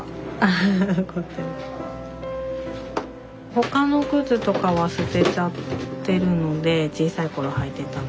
他の靴とかは捨てちゃってるので小さいころ履いてたの。